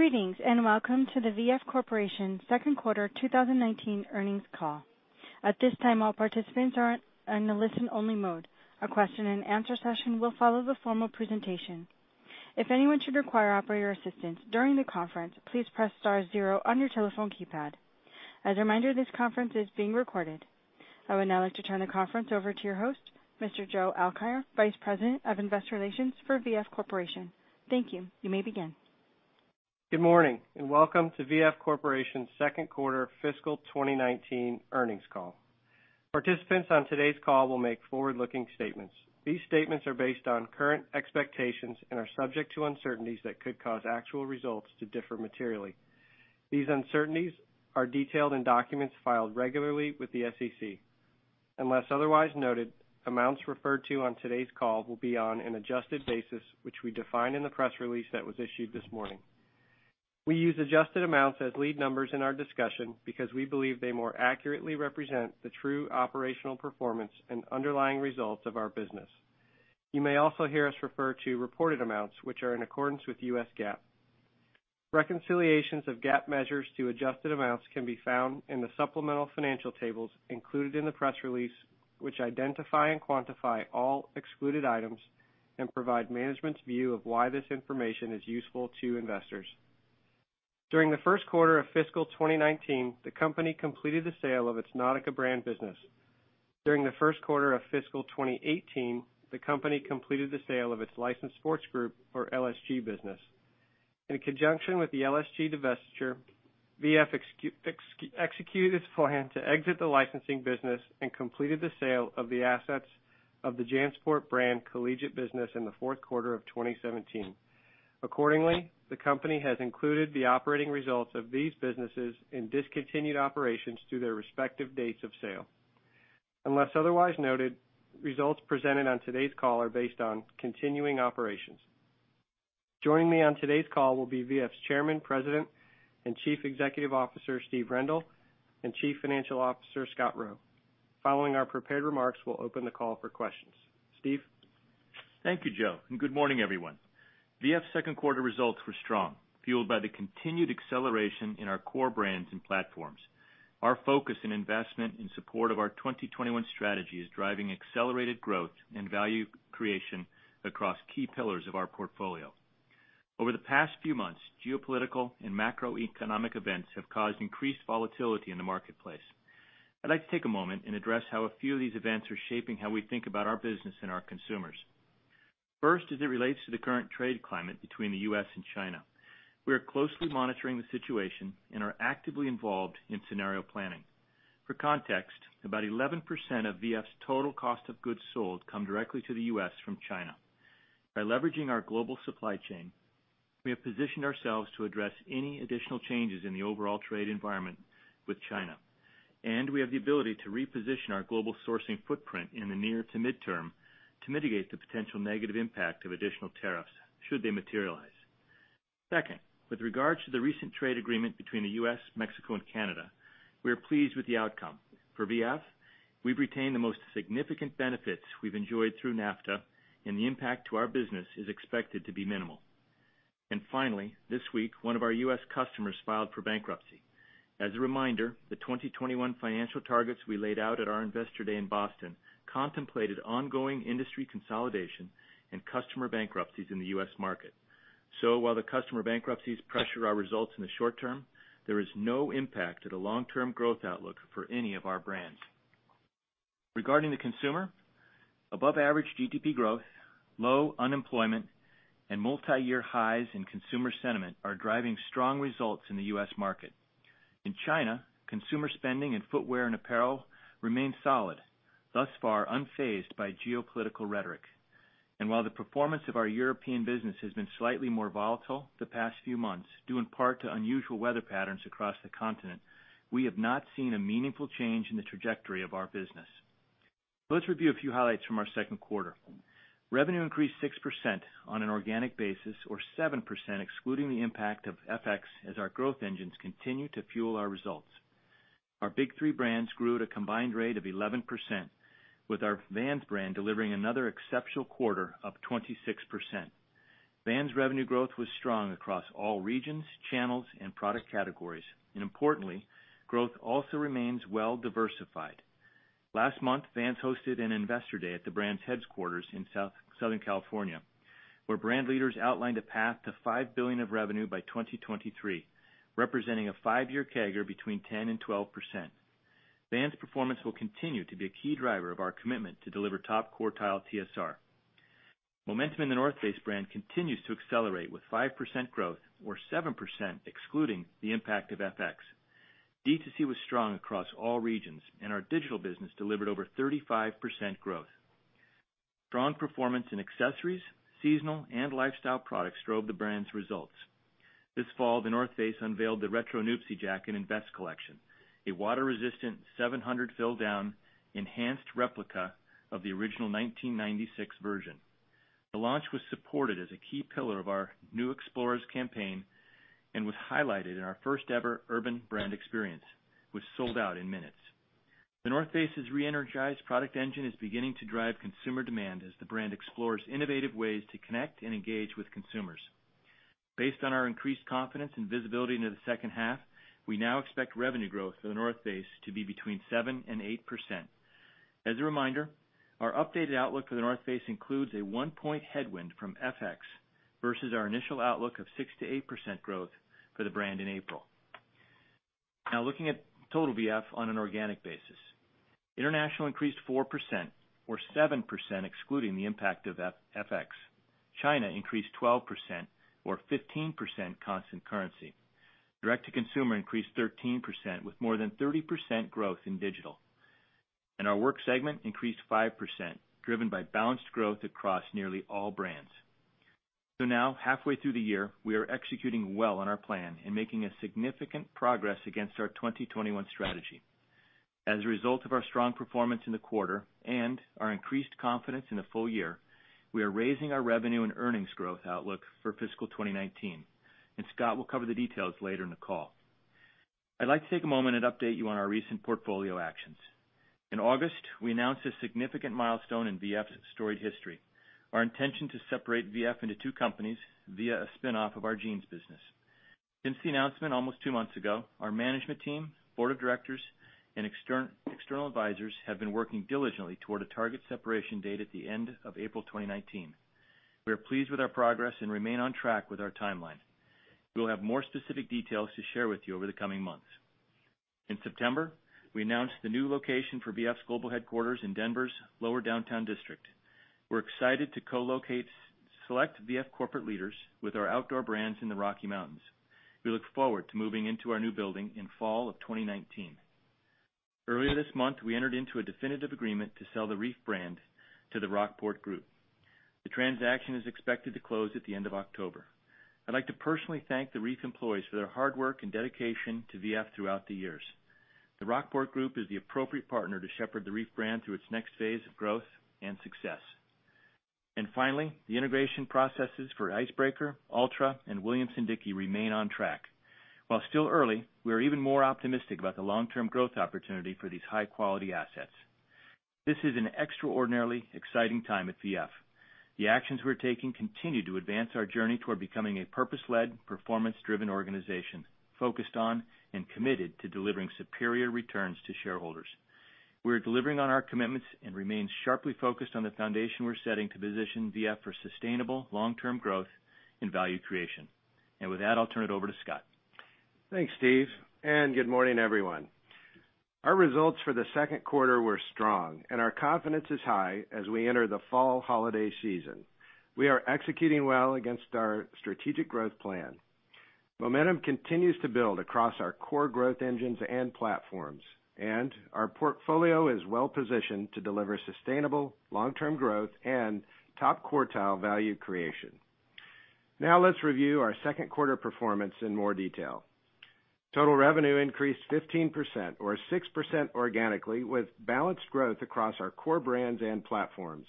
Greetings, welcome to the V.F. Corporation second quarter 2019 earnings call. At this time, all participants are in a listen-only mode. A question and answer session will follow the formal presentation. If anyone should require operator assistance during the conference, please press star zero on your telephone keypad. As a reminder, this conference is being recorded. I would now like to turn the conference over to your host, Mr. Joe Alkire, Vice President of Investor Relations for V.F. Corporation. Thank you. You may begin. Good morning, welcome to V.F. Corporation's second quarter fiscal 2019 earnings call. Participants on today's call will make forward-looking statements. These statements are based on current expectations and are subject to uncertainties that could cause actual results to differ materially. These uncertainties are detailed in documents filed regularly with the SEC. Unless otherwise noted, amounts referred to on today's call will be on an adjusted basis, which we define in the press release that was issued this morning. We use adjusted amounts as lead numbers in our discussion because we believe they more accurately represent the true operational performance and underlying results of our business. You may also hear us refer to reported amounts which are in accordance with U.S. GAAP. Reconciliations of GAAP measures to adjusted amounts can be found in the supplemental financial tables included in the press release, which identify and quantify all excluded items and provide management's view of why this information is useful to investors. During the first quarter of fiscal 2019, the company completed the sale of its Nautica brand business. During the first quarter of fiscal 2018, the company completed the sale of its Licensed Sports Group, or LSG business. In conjunction with the LSG divestiture, V.F. executed its plan to exit the licensing business and completed the sale of the assets of the JanSport brand collegiate business in the fourth quarter of 2017. Accordingly, the company has included the operating results of these businesses in discontinued operations through their respective dates of sale. Unless otherwise noted, results presented on today's call are based on continuing operations. Joining me on today's call will be V.F.'s Chairman, President and Chief Executive Officer, Steve Rendle, and Chief Financial Officer, Scott Roe. Following our prepared remarks, we will open the call for questions. Steve. Thank you, Joe, and good morning, everyone. V.F.'s second quarter results were strong, fueled by the continued acceleration in our core brands and platforms. Our focus and investment in support of our 2021 strategy is driving accelerated growth and value creation across key pillars of our portfolio. Over the past few months, geopolitical and macroeconomic events have caused increased volatility in the marketplace. I'd like to take a moment and address how a few of these events are shaping how we think about our business and our consumers. First, as it relates to the current trade climate between the U.S. and China. We are closely monitoring the situation and are actively involved in scenario planning. For context, about 11% of V.F.'s total cost of goods sold come directly to the U.S. from China. By leveraging our global supply chain, we have positioned ourselves to address any additional changes in the overall trade environment with China, and we have the ability to reposition our global sourcing footprint in the near to midterm to mitigate the potential negative impact of additional tariffs should they materialize. Second, with regards to the recent trade agreement between the U.S., Mexico and Canada, we are pleased with the outcome. For V.F., we've retained the most significant benefits we've enjoyed through NAFTA, and the impact to our business is expected to be minimal. Finally, this week, one of our U.S. customers filed for bankruptcy. As a reminder, the 2021 financial targets we laid out at our Investor Day in Boston contemplated ongoing industry consolidation and customer bankruptcies in the U.S. market. While the customer bankruptcies pressure our results in the short term, there is no impact to the long-term growth outlook for any of our brands. Regarding the consumer, above average GDP growth, low unemployment, and multi-year highs in consumer sentiment are driving strong results in the U.S. market. In China, consumer spending in footwear and apparel remains solid, thus far unfazed by geopolitical rhetoric. While the performance of our European business has been slightly more volatile the past few months, due in part to unusual weather patterns across the continent, we have not seen a meaningful change in the trajectory of our business. Let's review a few highlights from our second quarter. Revenue increased 6% on an organic basis, or 7% excluding the impact of FX, as our growth engines continue to fuel our results. Our big three brands grew at a combined rate of 11%, with our Vans brand delivering another exceptional quarter, up 26%. Vans revenue growth was strong across all regions, channels, and product categories, and importantly, growth also remains well diversified. Last month, Vans hosted an Investor Day at the brand's headquarters in Southern California, where brand leaders outlined a path to $5 billion of revenue by 2023, representing a five-year CAGR between 10% and 12%. Vans' performance will continue to be a key driver of our commitment to deliver top quartile TSR. Momentum in The North Face brand continues to accelerate with 5% growth, or 7% excluding the impact of FX. D2C was strong across all regions, and our digital business delivered over 35% growth. Strong performance in accessories, seasonal, and lifestyle products drove the brand's results. This fall, The North Face unveiled the Retro Nuptse jacket and vest collection, a water-resistant 700-fill down enhanced replica of the original 1996 version. The launch was supported as a key pillar of our New Explorers campaign and was highlighted in our first ever urban brand experience, which sold out in minutes. The North Face's re-energized product engine is beginning to drive consumer demand as the brand explores innovative ways to connect and engage with consumers. Based on our increased confidence and visibility into the second half, we now expect revenue growth for The North Face to be between 7% and 8%. As a reminder, our updated outlook for The North Face includes a one-point headwind from FX versus our initial outlook of 6% to 8% growth for the brand in April. Looking at total V.F. on an organic basis. International increased 4%, or 7% excluding the impact of FX. China increased 12%, or 15% constant currency. direct-to-consumer increased 13%, with more than 30% growth in digital. Our work segment increased 5%, driven by balanced growth across nearly all brands. Now, halfway through the year, we are executing well on our plan and making significant progress against our 2021 strategy. As a result of our strong performance in the quarter and our increased confidence in the full year, we are raising our revenue and earnings growth outlook for fiscal 2019, Scott will cover the details later in the call. I'd like to take a moment and update you on our recent portfolio actions. In August, we announced a significant milestone in V.F.'s storied history, our intention to separate V.F. into two companies via a spinoff of our jeans business. Since the announcement almost two months ago, our management team, board of directors, and external advisors have been working diligently toward a target separation date at the end of April 2019. We are pleased with our progress and remain on track with our timeline. We will have more specific details to share with you over the coming months. In September, we announced the new location for V.F.'s global headquarters in Denver's lower downtown district. We're excited to co-locate select V.F. corporate leaders with our outdoor brands in the Rocky Mountains. We look forward to moving into our new building in fall of 2019. Earlier this month, we entered into a definitive agreement to sell the Reef brand to The Rockport Group. The transaction is expected to close at the end of October. I'd like to personally thank the Reef employees for their hard work and dedication to V.F. throughout the years. The Rockport Group is the appropriate partner to shepherd the Reef brand through its next phase of growth and success. Finally, the integration processes for Icebreaker, Altra, and Williamson-Dickie remain on track. While still early, we are even more optimistic about the long-term growth opportunity for these high-quality assets. This is an extraordinarily exciting time at V.F. The actions we're taking continue to advance our journey toward becoming a purpose-led, performance-driven organization focused on and committed to delivering superior returns to shareholders. We are delivering on our commitments and remain sharply focused on the foundation we're setting to position V.F. for sustainable long-term growth and value creation. With that, I'll turn it over to Scott. Thanks, Steve, and good morning, everyone. Our results for the second quarter were strong, and our confidence is high as we enter the fall holiday season. We are executing well against our strategic growth plan. Momentum continues to build across our core growth engines and platforms, and our portfolio is well-positioned to deliver sustainable long-term growth and top-quartile value creation. Now let's review our second quarter performance in more detail. Total revenue increased 15%, or 6% organically, with balanced growth across our core brands and platforms.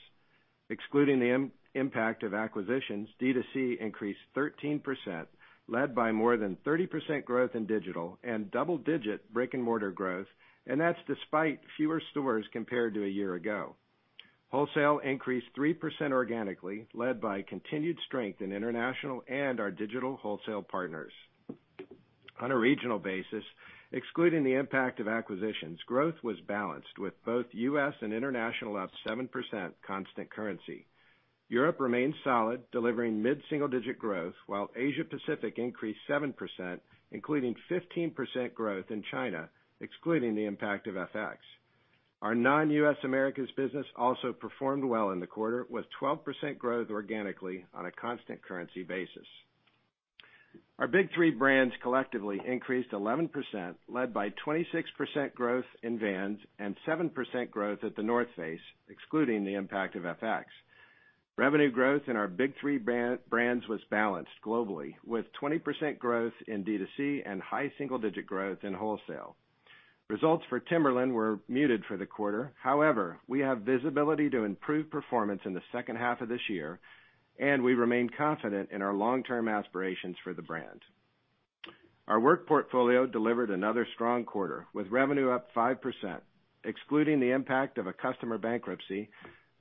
Excluding the impact of acquisitions, D2C increased 13%, led by more than 30% growth in digital and double-digit brick-and-mortar growth. That's despite fewer stores compared to a year ago. Wholesale increased 3% organically, led by continued strength in international and our digital wholesale partners. On a regional basis, excluding the impact of acquisitions, growth was balanced with both U.S. and international up 7% constant currency. Europe remained solid, delivering mid-single-digit growth, while Asia-Pacific increased 7%, including 15% growth in China, excluding the impact of FX. Our non-U.S. Americas business also performed well in the quarter with 12% growth organically on a constant currency basis. Our big three brands collectively increased 11%, led by 26% growth in Vans and 7% growth at The North Face, excluding the impact of FX. Revenue growth in our big three brands was balanced globally with 20% growth in D2C and high single-digit growth in wholesale. Results for Timberland were muted for the quarter. However, we have visibility to improve performance in the second half of this year, and we remain confident in our long-term aspirations for the brand. Our work portfolio delivered another strong quarter with revenue up 5%, excluding the impact of a customer bankruptcy.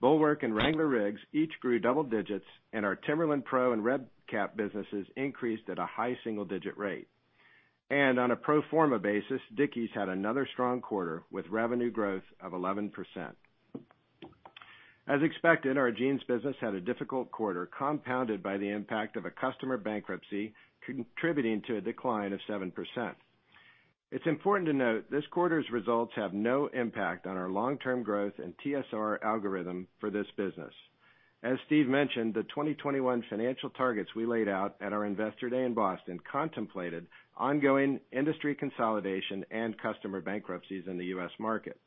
Bulwark and Wrangler RIGGS each grew double digits, and our Timberland PRO and Red Kap businesses increased at a high single-digit rate. On a pro forma basis, Dickies had another strong quarter with revenue growth of 11%. As expected, our jeans business had a difficult quarter, compounded by the impact of a customer bankruptcy contributing to a decline of 7%. It's important to note this quarter's results have no impact on our long-term growth and TSR algorithm for this business. As Steve mentioned, the 2021 financial targets we laid out at our investor day in Boston contemplated ongoing industry consolidation and customer bankruptcies in the U.S. market.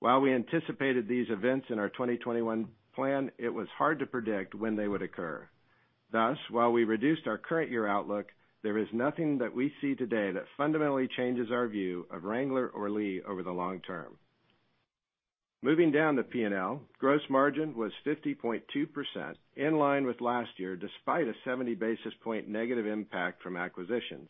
While we anticipated these events in our 2021 plan, it was hard to predict when they would occur. Thus, while we reduced our current year outlook, there is nothing that we see today that fundamentally changes our view of Wrangler or Lee over the long term. Moving down to P&L, gross margin was 50.2%, in line with last year, despite a 70 basis point negative impact from acquisitions.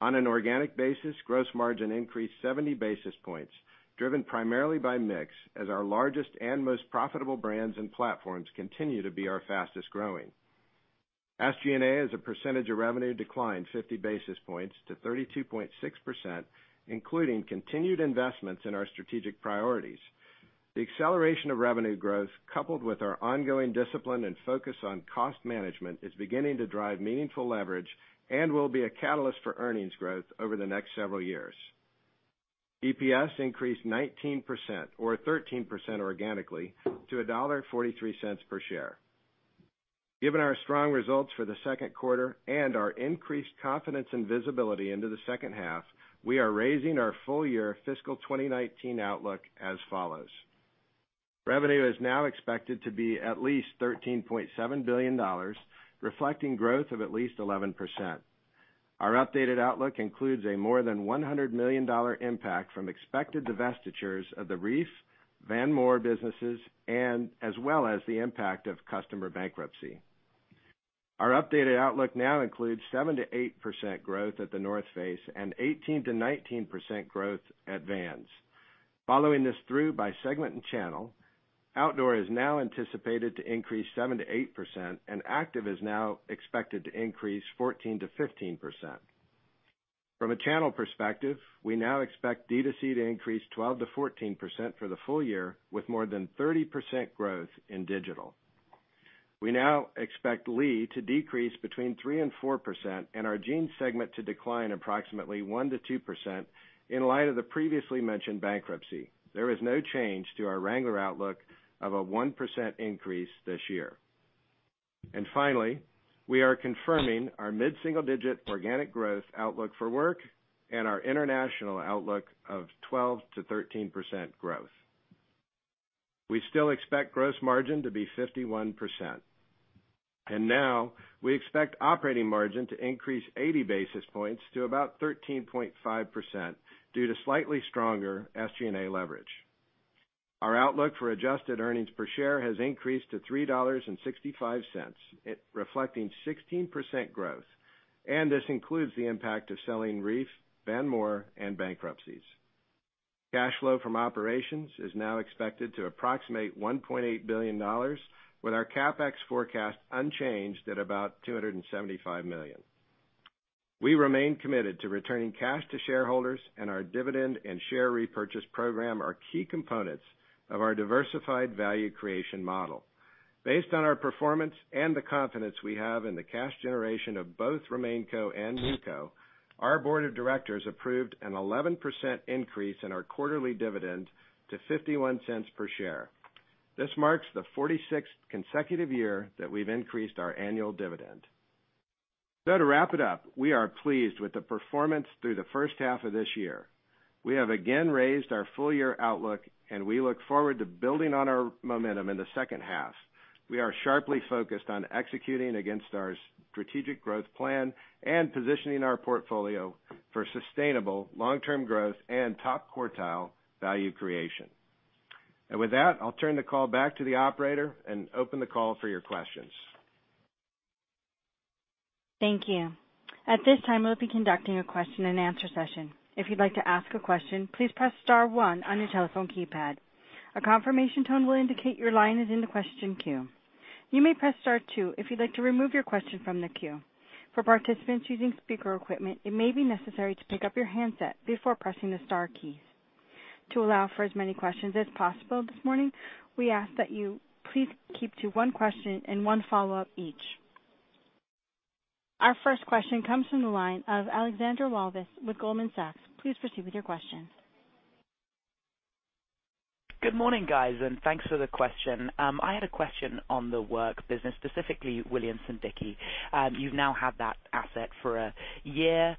On an organic basis, gross margin increased 70 basis points, driven primarily by mix, as our largest and most profitable brands and platforms continue to be our fastest growing. SG&A as a percentage of revenue declined 50 basis points to 32.6%, including continued investments in our strategic priorities. The acceleration of revenue growth, coupled with our ongoing discipline and focus on cost management, is beginning to drive meaningful leverage and will be a catalyst for earnings growth over the next several years. EPS increased 19%, or 13% organically, to $1.43 per share. Given our strong results for the second quarter and our increased confidence and visibility into the second half, we are raising our full year fiscal 2019 outlook as follows. Revenue is now expected to be at least $13.7 billion, reflecting growth of at least 11%. Our updated outlook includes a more than $100 million impact from expected divestitures of the Reef, Vanity Fair businesses, as well as the impact of customer bankruptcy. Our updated outlook now includes 7%-8% growth at The North Face and 18%-19% growth at Vans. Following this through by segment and channel, Outdoor is now anticipated to increase 7%-8%, and Active is now expected to increase 14%-15%. From a channel perspective, we now expect D2C to increase 12%-14% for the full year, with more than 30% growth in digital. We now expect Lee to decrease between 3% and 4%, and our jeans segment to decline approximately 1%-2% in light of the previously mentioned bankruptcy. There is no change to our Wrangler outlook of a 1% increase this year. Finally, we are confirming our mid-single-digit organic growth outlook for Work and our international outlook of 12%-13% growth. We still expect gross margin to be 51%. We now expect operating margin to increase 80 basis points to about 13.5% due to slightly stronger SGA leverage. Our outlook for adjusted earnings per share has increased to $3.65, reflecting 16% growth, and this includes the impact of selling Reef, Vanity Fair, and bankruptcies. Cash flow from operations is now expected to approximate $1.8 billion, with our CapEx forecast unchanged at about $275 million. We remain committed to returning cash to shareholders, and our dividend and share repurchase program are key components of our diversified value creation model. Based on our performance and the confidence we have in the cash generation of both RemainCo and NewCo, our board of directors approved an 11% increase in our quarterly dividend to $0.51 per share. This marks the 46th consecutive year that we've increased our annual dividend. To wrap it up, we are pleased with the performance through the first half of this year. We have again raised our full year outlook, and we look forward to building on our momentum in the second half. We are sharply focused on executing against our strategic growth plan and positioning our portfolio for sustainable long-term growth and top quartile value creation. With that, I'll turn the call back to the operator and open the call for your questions. Thank you. At this time, we'll be conducting a question and answer session. If you'd like to ask a question, please press *1 on your telephone keypad. A confirmation tone will indicate your line is in the question queue. You may press *2 if you'd like to remove your question from the queue. For participants using speaker equipment, it may be necessary to pick up your handset before pressing the star keys. To allow for as many questions as possible this morning, we ask that you please keep to one question and one follow-up each. Our first question comes from the line of Alexandra Walvis with Goldman Sachs. Please proceed with your question. Good morning, guys, thanks for the question. I had a question on the Work business, specifically Williamson-Dickie. You've now had that asset for a year,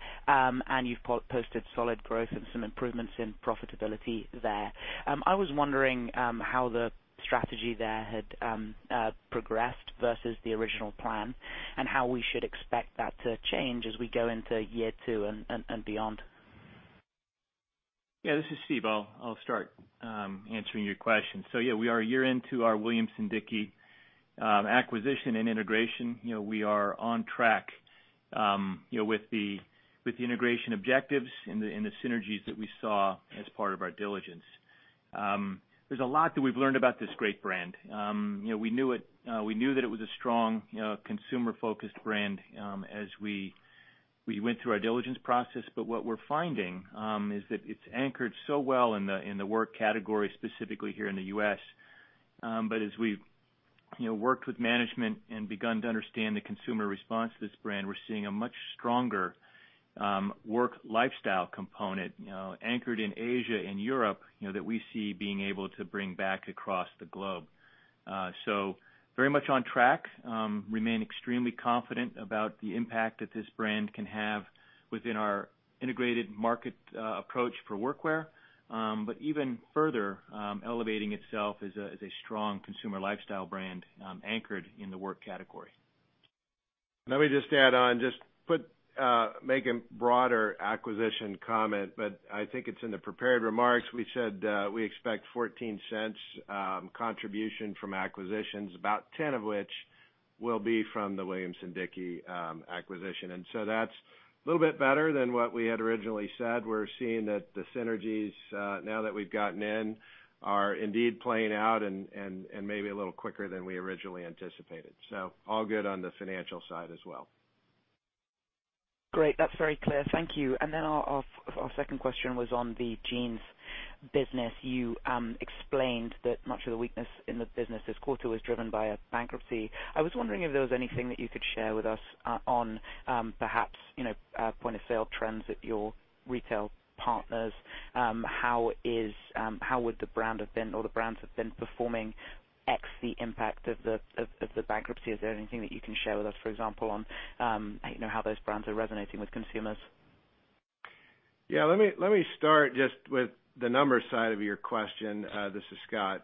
you've posted solid growth and some improvements in profitability there. I was wondering how the strategy there had progressed versus the original plan and how we should expect that to change as we go into year two and beyond. This is Steve. I'll start answering your question. We are a year into our Williamson-Dickie acquisition and integration. We are on track with the integration objectives and the synergies that we saw as part of our diligence. There's a lot that we've learned about this great brand. We knew that it was a strong consumer-focused brand as we went through our diligence process. What we're finding is that it's anchored so well in the work category, specifically here in the U.S. As we've worked with management and begun to understand the consumer response to this brand, we're seeing a much stronger work lifestyle component anchored in Asia and Europe that we see being able to bring back across the globe. Very much on track. Remain extremely confident about the impact that this brand can have within our integrated market approach for workwear. Even further elevating itself as a strong consumer lifestyle brand anchored in the work category. Let me just add on, just make a broader acquisition comment, I think it's in the prepared remarks. We said we expect $0.14 contribution from acquisitions, about $0.10 of which will be from the Williamson-Dickie acquisition. That's a little bit better than what we had originally said. We're seeing that the synergies, now that we've gotten in, are indeed playing out and maybe a little quicker than we originally anticipated. All good on the financial side as well. Great. That's very clear. Thank you. Our second question was on the jeans business. You explained that much of the weakness in the business this quarter was driven by a bankruptcy. I was wondering if there was anything that you could share with us on perhaps, point of sale trends at your retail partners. How would the brand have been, or the brands have been performing ex the impact of the bankruptcy? Is there anything that you can share with us, for example, on how those brands are resonating with consumers? Let me start just with the numbers side of your question. This is Scott.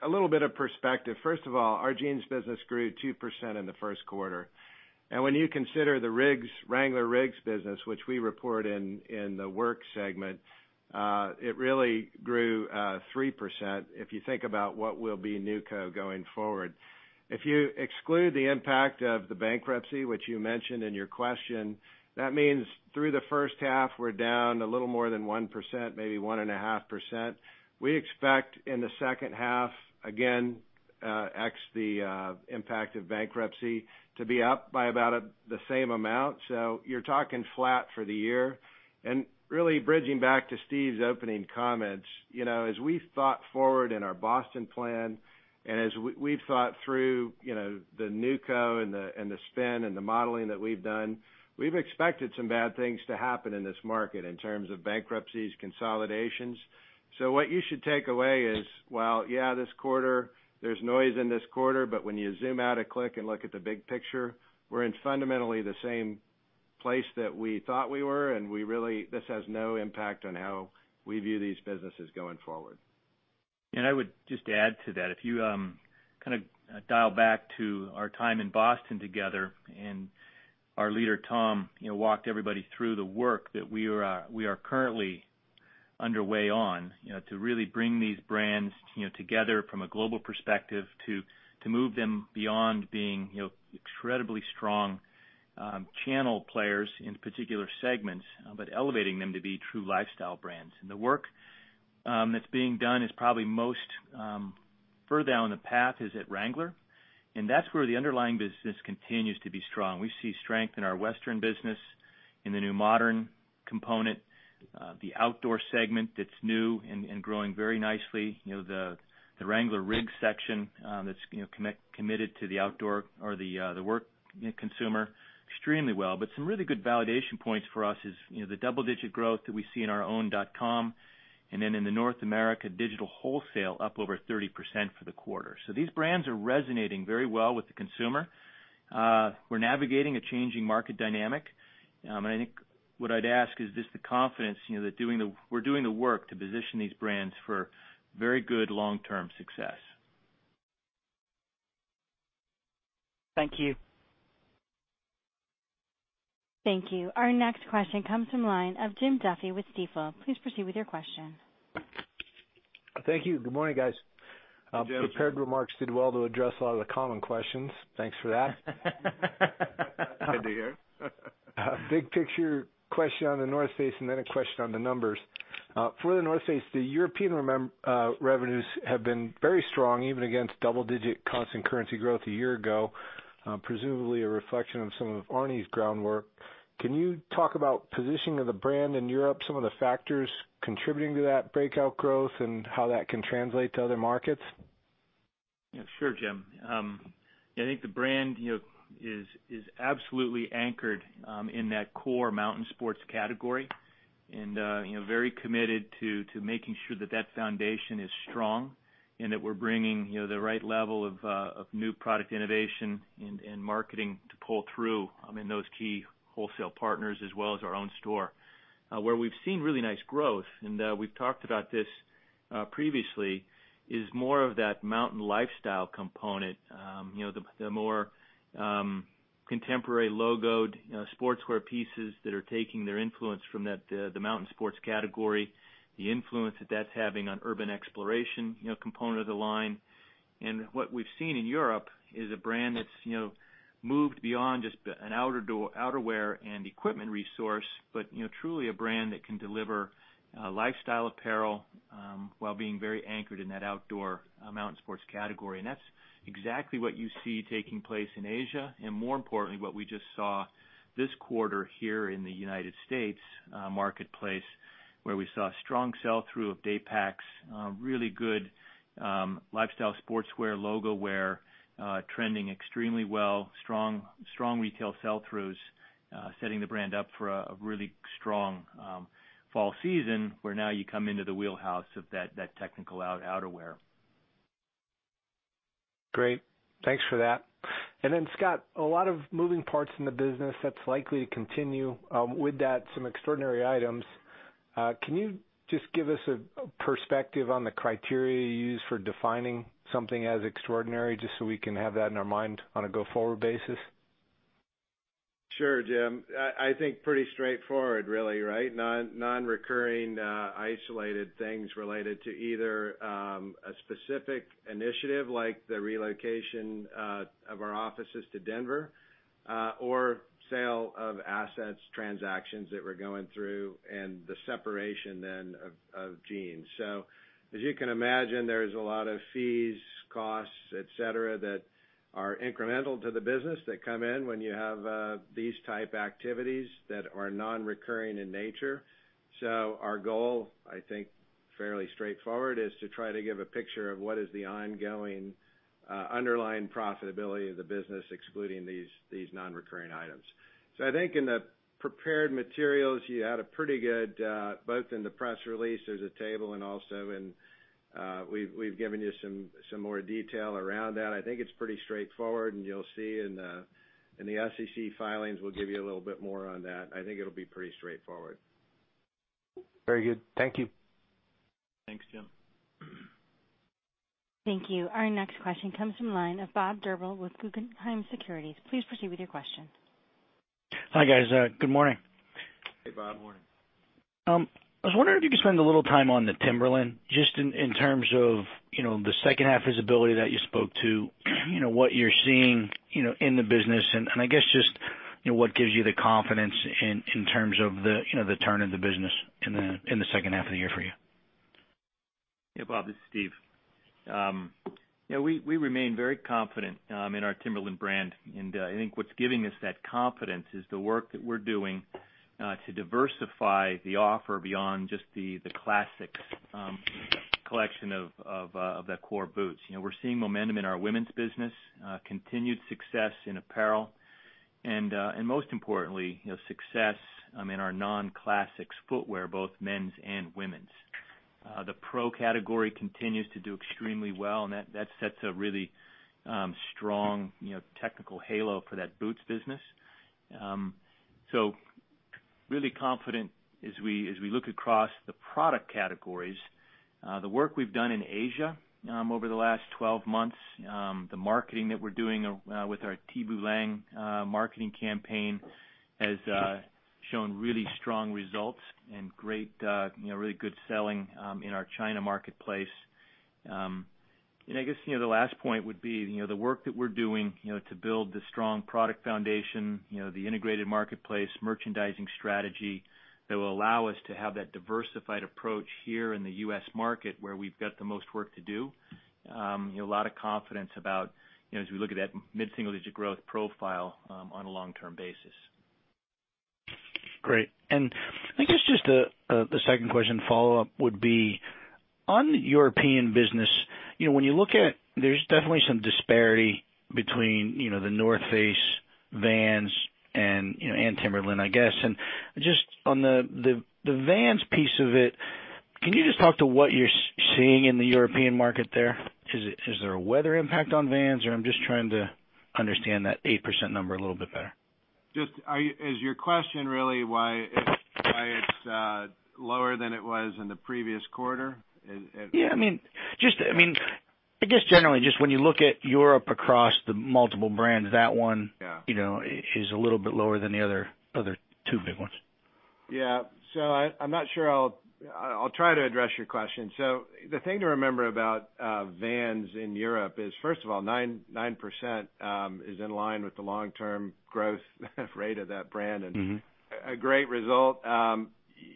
A little bit of perspective. First of all, our jeans business grew 2% in the first quarter. When you consider the Wrangler RIGGS business, which we report in the work segment, it really grew 3%, if you think about what will be NewCo going forward. If you exclude the impact of the bankruptcy, which you mentioned in your question, that means through the first half, we're down a little more than 1%, maybe 1.5%. We expect in the second half, again, ex the impact of bankruptcy, to be up by about the same amount. You're talking flat for the year. Really bridging back to Steve's opening comments. As we've thought forward in our Boston plan and as we've thought through the NewCo and the spin and the modeling that we've done, we've expected some bad things to happen in this market in terms of bankruptcies, consolidations. What you should take away is, while, this quarter, there's noise in this quarter, when you zoom out a click and look at the big picture, we're in fundamentally the same place that we thought we were, and this has no impact on how we view these businesses going forward. I would just add to that. If you dial back to our time in Boston together and our leader, Tom, walked everybody through the work that we are currently underway on to really bring these brands together from a global perspective to move them beyond being incredibly strong channel players in particular segments, elevating them to be true lifestyle brands. The work that's being done is probably most further down the path is at Wrangler, and that's where the underlying business continues to be strong. We see strength in our Western business, in the new modern component, the outdoor segment that's new and growing very nicely. The Wrangler RIGGS section that's committed to the outdoor or the work consumer extremely well. Some really good validation points for us is the double-digit growth that we see in our own .com. In the North America digital wholesale up over 30% for the quarter. These brands are resonating very well with the consumer. We're navigating a changing market dynamic. I think what I'd ask is just the confidence that we're doing the work to position these brands for very good long-term success. Thank you. Thank you. Our next question comes from line of Jim Duffy with Stifel. Please proceed with your question. Thank you. Good morning, guys. Jim. Prepared remarks did well to address a lot of the common questions. Thanks for that. Good to hear. Big picture question on The North Face and then a question on the numbers. For The North Face, the European revenues have been very strong, even against double-digit constant currency growth a year ago, presumably a reflection on some of Arne's groundwork. Can you talk about positioning of the brand in Europe, some of the factors contributing to that breakout growth, and how that can translate to other markets? Sure, Jim. I think the brand is absolutely anchored in that core mountain sports category and very committed to making sure that foundation is strong and that we're bringing the right level of new product innovation and marketing to pull through in those key wholesale partners as well as our own store. Where we've seen really nice growth, and we've talked about this previously, is more of that mountain lifestyle component. The more contemporary logoed sportswear pieces that are taking their influence from the mountain sports category, the influence that that's having on urban exploration component of the line. What we've seen in Europe is a brand that's moved beyond just an outdoor outerwear and equipment resource, but truly a brand that can deliver lifestyle apparel while being very anchored in that outdoor mountain sports category. That's exactly what you see taking place in Asia, and more importantly, what we just saw this quarter here in the U.S. marketplace, where we saw strong sell-through of day packs, really good lifestyle sportswear logo wear trending extremely well. Strong retail sell-throughs setting the brand up for a really strong fall season, where now you come into the wheelhouse of that technical outerwear. Great. Thanks for that. Scott, a lot of moving parts in the business that's likely to continue. With that, some extraordinary items, can you just give us a perspective on the criteria you use for defining something as extraordinary, just so we can have that in our mind on a go-forward basis? Sure, Jim. I think pretty straightforward, really, right? Non-recurring, isolated things related to either a specific initiative like the relocation of our offices to Denver or sale of assets, transactions that we're going through, and the separation then of jeans. As you can imagine, there's a lot of fees, costs, et cetera, that are incremental to the business that come in when you have these type activities that are non-recurring in nature. Our goal, I think, fairly straightforward, is to try to give a picture of what is the ongoing underlying profitability of the business, excluding these non-recurring items. I think in the prepared materials, both in the press release, there's a table, and also we've given you some more detail around that. I think it's pretty straightforward, and you'll see in the SEC filings, we'll give you a little bit more on that. I think it'll be pretty straightforward. Very good. Thank you. Thanks, Jim. Thank you. Our next question comes from line of Bob Drbul with Guggenheim Securities. Please proceed with your question. Hi, guys. Good morning. Hey, Bob. Morning. I was wondering if you could spend a little time on the Timberland, just in terms of the second half visibility that you spoke to, what you're seeing in the business, and I guess just what gives you the confidence in terms of the turn in the business in the second half of the year for you. Yeah, Bob, this is Steve. We remain very confident in our Timberland brand. I think what's giving us that confidence is the work that we're doing to diversify the offer beyond just the classic collection of the core boots. We're seeing momentum in our women's business, continued success in apparel, and most importantly, success in our non-classics footwear, both men's and women's. The pro category continues to do extremely well, and that sets a really strong technical halo for that boots business. Really confident as we look across the product categories. The work we've done in Asia over the last 12 months, the marketing that we're doing with our Thi Bu Lang marketing campaign has shown really strong results and really good selling in our China marketplace. I guess the last point would be the work that we're doing to build this strong product foundation, the integrated marketplace merchandising strategy that will allow us to have that diversified approach here in the U.S. market where we've got the most work to do. A lot of confidence about as we look at that mid-single-digit growth profile on a long-term basis. Great. I guess just the second question follow-up would be on European business. When you look at, there's definitely some disparity between The North Face, Vans, and Timberland, I guess. Just on the Vans piece of it, can you just talk to what you're seeing in the European market there? Is there a weather impact on Vans, or I'm just trying to understand that 8% number a little bit better. Is your question really why it's lower than it was in the previous quarter? Yeah. I guess generally, just when you look at Europe across the multiple brands, that one- Yeah is a little bit lower than the other two big ones. I'm not sure. I'll try to address your question. The thing to remember about Vans in Europe is, first of all, 9% is in line with the long-term growth rate of that brand and- a great result.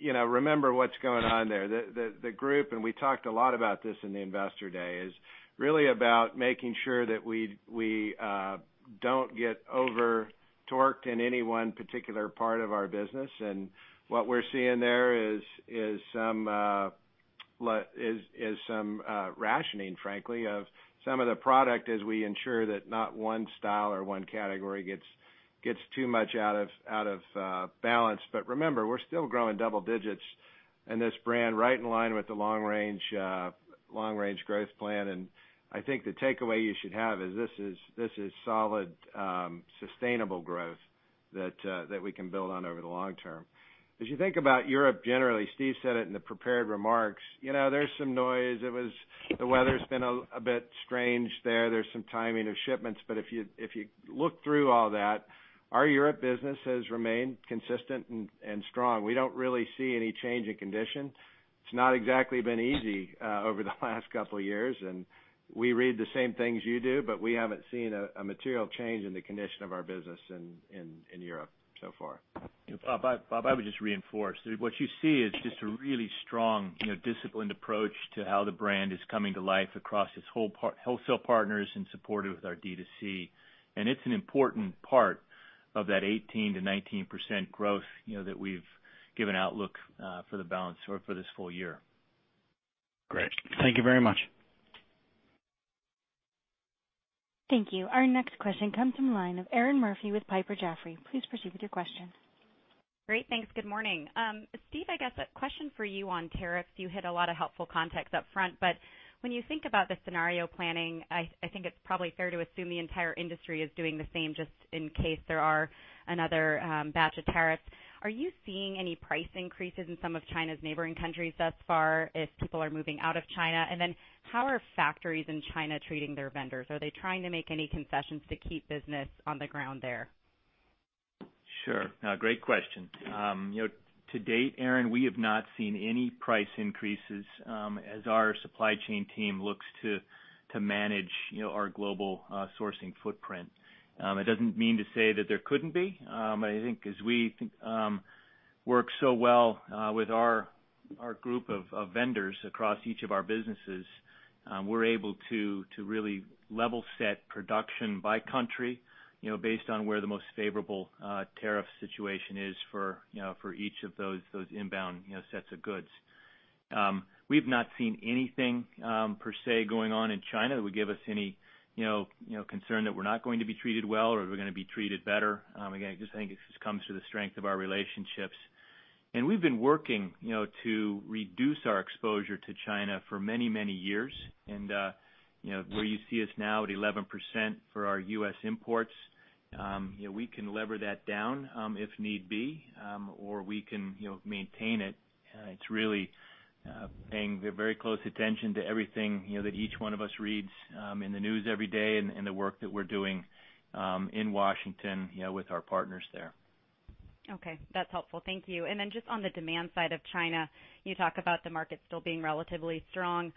Remember what's going on there. The group, and we talked a lot about this in the investor day, is really about making sure that we don't get over-torqued in any one particular part of our business. What we're seeing there is some rationing, frankly, of some of the product as we ensure that not one style or one category gets too much out of balance. Remember, we're still growing double digits in this brand, right in line with the long range growth plan. I think the takeaway you should have is this is solid, sustainable growth that we can build on over the long term. As you think about Europe generally, Steve said it in the prepared remarks. There's some noise. The weather's been a bit strange there. There's some timing of shipments. If you look through all that, our Europe business has remained consistent and strong. We don't really see any change in condition. It's not exactly been easy over the last couple of years, and we read the same things you do, but we haven't seen a material change in the condition of our business in Europe so far. Bob, I would just reinforce. What you see is just a really strong, disciplined approach to how the brand is coming to life across its wholesale partners in support of our D2C. It's an important part of that 18%-19% growth that we've given outlook for the balance or for this full year. Great. Thank you very much. Thank you. Our next question comes from the line of Erinn Murphy with Piper Sandler. Please proceed with your question. Great. Thanks. Good morning. Steve, I guess a question for you on tariffs. You hit a lot of helpful context up front, but when you think about the scenario planning, I think it's probably fair to assume the entire industry is doing the same just in case there are another batch of tariffs. Are you seeing any price increases in some of China's neighboring countries thus far if people are moving out of China? Then how are factories in China treating their vendors? Are they trying to make any concessions to keep business on the ground there? Sure. No, great question. To date, Erinn, we have not seen any price increases as our supply chain team looks to manage our global sourcing footprint. It doesn't mean to say that there couldn't be. I think as we work so well with our group of vendors across each of our businesses, we're able to really level set production by country based on where the most favorable tariff situation is for each of those inbound sets of goods. We've not seen anything, per se, going on in China that would give us any concern that we're not going to be treated well or we're going to be treated better. Again, just think it just comes to the strength of our relationships. We've been working to reduce our exposure to China for many years. Where you see us now at 11% for our U.S. imports, we can lever that down if need be, or we can maintain it. It's really paying very close attention to everything that each one of us reads in the news every day and the work that we're doing in Washington with our partners there. That's helpful. Thank you. Just on the demand side of China, you talk about the market still being relatively strong.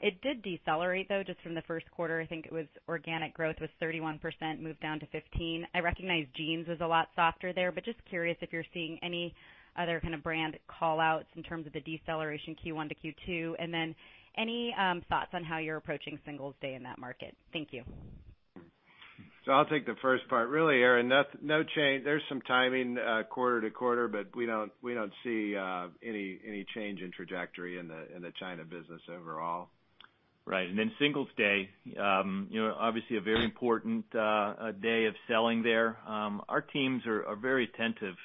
It did decelerate, though, just from the first quarter. I think it was organic growth was 31%, moved down to 15%. I recognize jeans was a lot softer there, but just curious if you're seeing any other kind of brand callouts in terms of the deceleration Q1 to Q2, and then any thoughts on how you're approaching Singles' Day in that market. Thank you. I'll take the first part. Really, Erinn, there's some timing quarter to quarter, but we don't see any change in trajectory in the China business overall. Right. Singles' Day, obviously a very important day of selling there. Our teams are very attentive.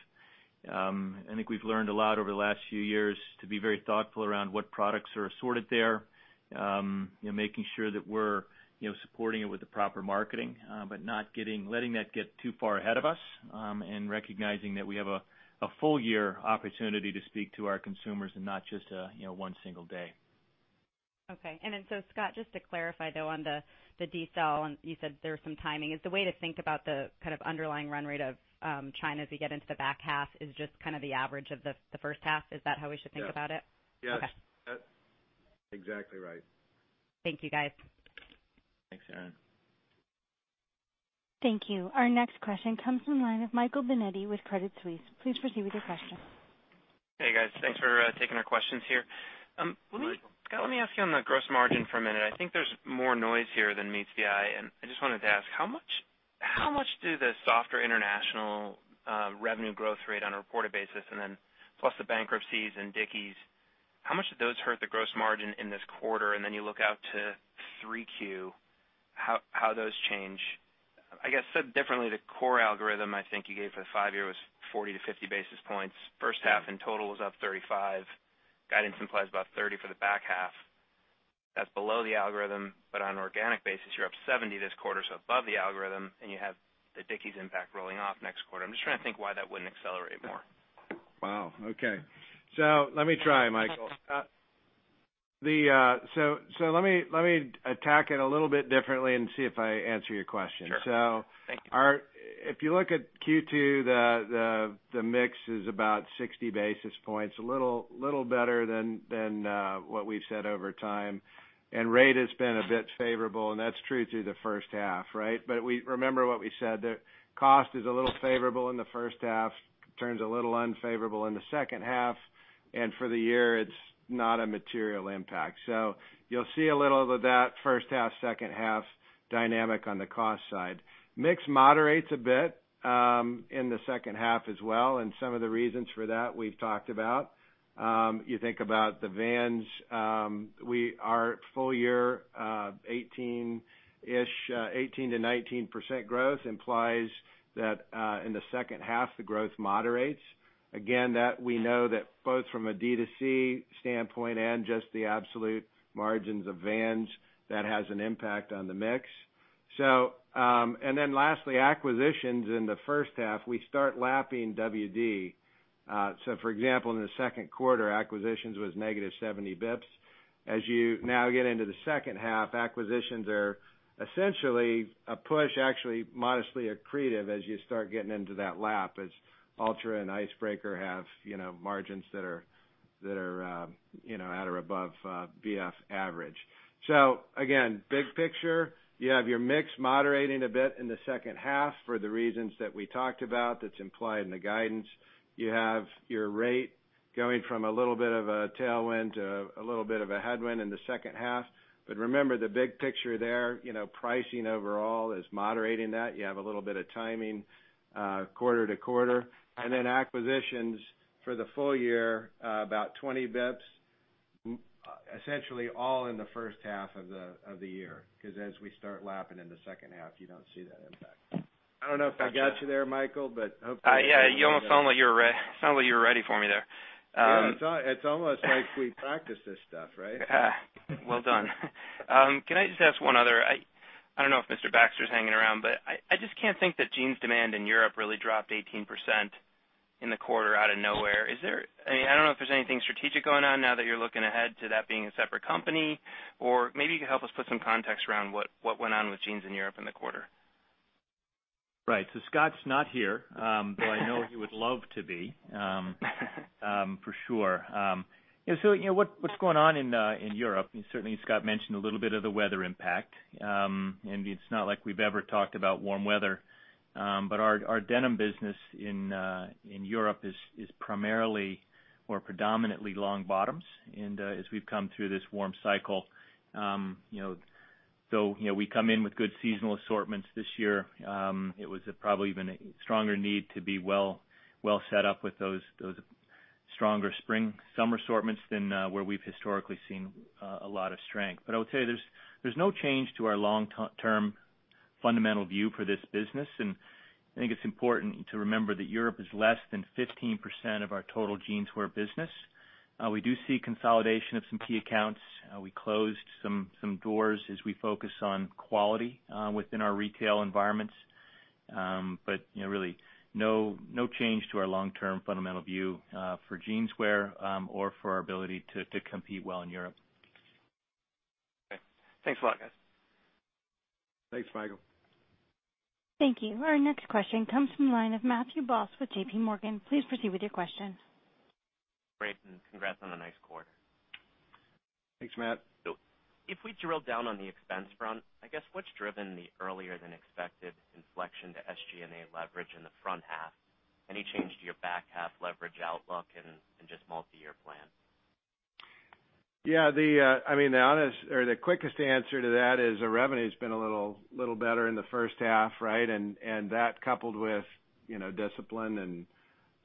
I think we've learned a lot over the last few years to be very thoughtful around what products are assorted there. Making sure that we're supporting it with the proper marketing. Not letting that get too far ahead of us, and recognizing that we have a full year opportunity to speak to our consumers and not just one single day. Scott, just to clarify though on the decel, you said there was some timing. Is the way to think about the kind of underlying run rate of China as we get into the back half is just the average of the first half? Is that how we should think about it? Yes. Okay. That's exactly right. Thank you, guys. Thanks, Erinn. Thank you. Our next question comes from the line of Michael Binetti with Credit Suisse. Please proceed with your question. Hey, guys. Thanks for taking our questions here. Michael. Scott, let me ask you on the gross margin for a minute. I think there's more noise here than meets the eye, and I just wanted to ask, how much do the softer international revenue growth rate on a reported basis, and then plus the bankruptcies and Dickies, how much do those hurt the gross margin in this quarter? Then you look out to Q3, how those change? I guess, said differently, the core algorithm I think you gave for the 5-year was 40-50 basis points. First half in total was up 35%. Guidance implies about 30% for the back half. That's below the algorithm, but on an organic basis, you're up 70% this quarter, so above the algorithm, and you have the Dickies impact rolling off next quarter. I'm just trying to think why that wouldn't accelerate more. Wow. Okay. Let me try, Michael. Let me attack it a little bit differently and see if I answer your question. Sure. Thank you. If you look at Q2, the mix is about 60 basis points. A little better than what we've said over time. Rate has been a bit favorable, and that's true through the first half, right? Remember what we said, the cost is a little favorable in the first half, turns a little unfavorable in the second half, and for the year, it's not a material impact. You'll see a little of that first half/second half dynamic on the cost side. Mix moderates a bit in the second half as well, and some of the reasons for that we've talked about. You think about the Vans. Our full year 18%-19% growth implies that in the second half, the growth moderates. Again, that we know that both from a D2C standpoint and just the absolute margins of Vans, that has an impact on the mix. Lastly, acquisitions in the first half, we start lapping WD. For example, in the second quarter, acquisitions was negative 70 basis points. As you now get into the second half, acquisitions are essentially a push, actually modestly accretive as you start getting into that lap as Altra and Icebreaker have margins that are at or above VF average. Again, big picture, you have your mix moderating a bit in the second half for the reasons that we talked about that's implied in the guidance. You have your rate going from a little bit of a tailwind to a little bit of a headwind in the second half. Remember the big picture there, pricing overall is moderating that. You have a little bit of timing quarter-to-quarter. Acquisitions for the full year about 20 basis points. Essentially all in the first half of the year, because as we start lapping in the second half, you don't see that impact. I don't know if I got you there, Michael, hopefully. Yeah. You almost sound like you were ready for me there. Yeah. It's almost like we practice this stuff, right? Yeah. Well done. Can I just ask one other? I don't know if Mr. Baxter's hanging around, but I just can't think that jeans demand in Europe really dropped 18% in the quarter out of nowhere. I don't know if there's anything strategic going on now that you're looking ahead to that being a separate company, or maybe you could help us put some context around what went on with jeans in Europe in the quarter. Right. Scott's not here, but I know he would love to be, for sure. What's going on in Europe, and certainly Scott mentioned a little bit of the weather impact. It's not like we've ever talked about warm weather. Our denim business in Europe is primarily, or predominantly long bottoms. As we've come through this warm cycle, we come in with good seasonal assortments this year. It was probably even a stronger need to be well set up with those stronger spring, summer assortments than where we've historically seen a lot of strength. I would say there's no change to our long-term fundamental view for this business. I think it's important to remember that Europe is less than 15% of our total jeanswear business. We do see consolidation of some key accounts. We closed some doors as we focus on quality within our retail environments. Really, no change to our long-term fundamental view for jeans wear, or for our ability to compete well in Europe. Okay. Thanks a lot, guys. Thanks, Michael. Thank you. Our next question comes from the line of Matthew Boss with JP Morgan. Please proceed with your question. Great, congratulations on a nice quarter. Thanks, Matt. If we drill down on the expense front, I guess what's driven the earlier than expected inflection to SG&A leverage in the front half? Any change to your back half leverage outlook and just multi-year plan? Yeah. The quickest answer to that is our revenue's been a little better in the first half. That coupled with discipline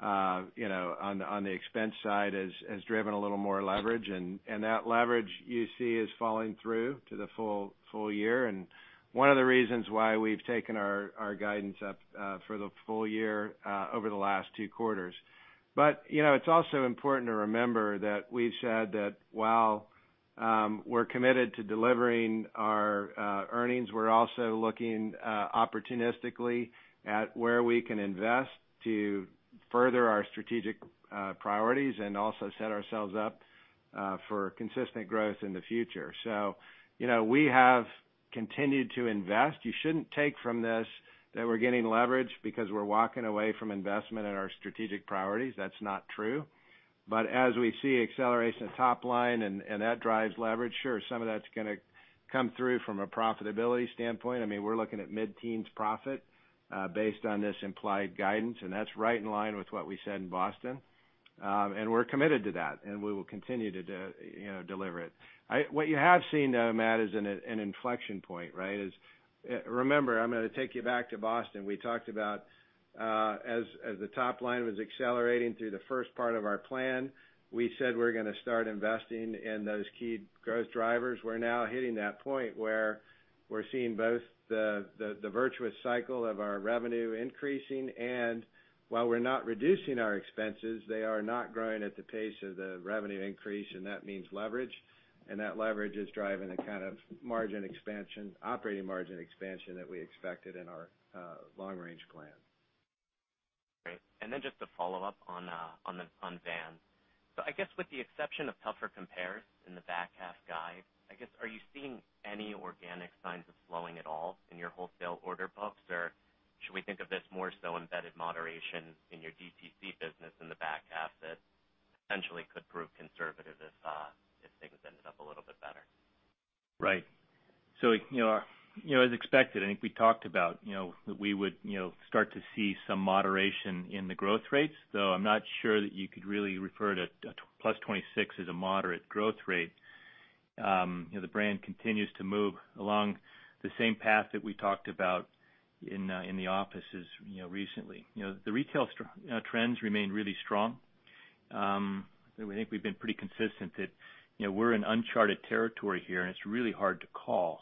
on the expense side, has driven a little more leverage. That leverage you see is falling through to the full year, and one of the reasons why we've taken our guidance up for the full year over the last two quarters. It's also important to remember that we've said that while we're committed to delivering our earnings, we're also looking opportunistically at where we can invest to further our strategic priorities, and also set ourselves up for consistent growth in the future. We have continued to invest. You shouldn't take from this that we're getting leverage because we're walking away from investment in our strategic priorities. That's not true. As we see acceleration of top line and that drives leverage, sure, some of that's going to come through from a profitability standpoint. We're looking at mid-teens profit, based on this implied guidance, and that's right in line with what we said in Boston. We're committed to that, and we will continue to deliver it. What you have seen, though, Matt, is an inflection point. Remember, I'm going to take you back to Boston. We talked about, as the top line was accelerating through the first part of our plan, we said we're going to start investing in those key growth drivers. We're now hitting that point where we're seeing both the virtuous cycle of our revenue increasing. While we're not reducing our expenses, they are not growing at the pace of the revenue increase, and that means leverage. That leverage is driving the kind of margin expansion, operating margin expansion that we expected in our long range plan. Great. Then just a follow-up on Vans. I guess with the exception of tougher compares in the back half guide, I guess, are you seeing any organic signs of slowing at all in your wholesale order books? Or should we think of this more so embedded moderation in your DTC business in the back half that essentially could prove conservative if things ended up a little bit better? Right. As expected, I think we talked about that we would start to see some moderation in the growth rates, though I'm not sure that you could really refer to plus 26% as a moderate growth rate. The brand continues to move along the same path that we talked about in the offices recently. The retail trends remain really strong. We think we've been pretty consistent that we're in uncharted territory here, and it's really hard to call.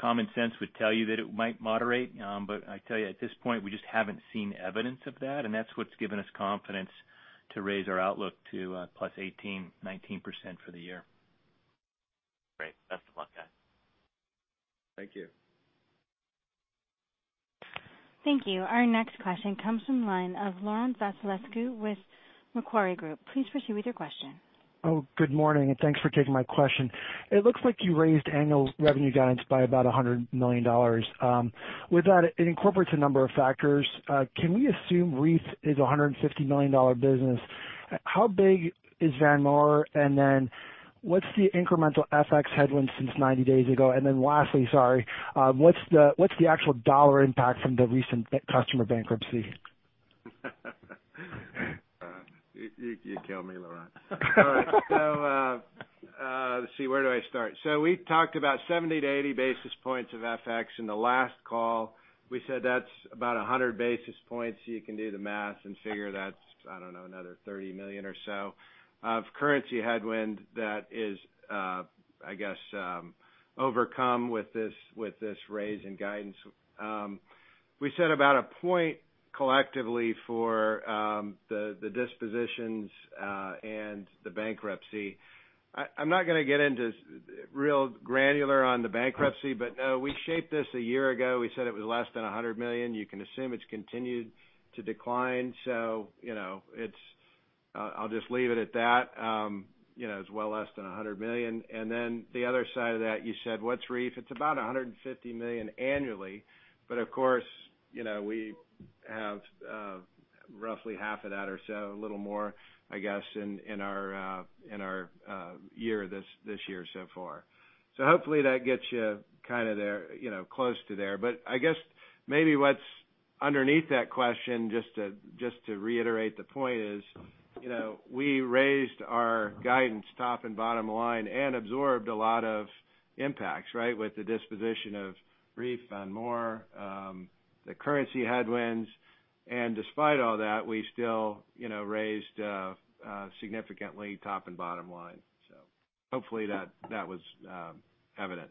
Common sense would tell you that it might moderate. I tell you, at this point, we just haven't seen evidence of that, and that's what's given us confidence to raise our outlook to plus 18%-19% for the year. Great. Best of luck, guys. Thank you. Thank you. Our next question comes from the line of Laurent Vasilescu with Macquarie Group. Please proceed with your question. Oh, good morning. Thanks for taking my question. It looks like you raised annual revenue guidance by about $100 million. With that, it incorporates a number of factors. Can we assume Reef is a $150 million business? How big is Vanity Fair? Then what's the incremental FX headwind since 90 days ago? Then lastly, sorry. What's the actual dollar impact from the recent customer bankruptcy? You kill me, Laurent. All right. Let's see. Where do I start? We talked about 70 to 80 basis points of FX in the last call. We said that's about 100 basis points. You can do the math and figure that's, I don't know, another $30 million or so of currency headwind that is, I guess, overcome with this raise in guidance. We said about one point collectively for the dispositions and the bankruptcy. I'm not going to get into real granular on the bankruptcy, but we shaped this a year ago. We said it was less than $100 million. You can assume it's continued to decline. I'll just leave it at that. It's well less than $100 million. The other side of that, you said, what's Reef? It's about $150 million annually. Of course, we have roughly half of that or so, a little more, I guess, in our year this year so far. Hopefully that gets you kind of close to there. I guess maybe what's underneath that question, just to reiterate the point is, we raised our guidance top and bottom line and absorbed a lot of impacts with the disposition of Reef and more, the currency headwinds. Despite all that, we still raised significantly top and bottom line. Hopefully that was evident.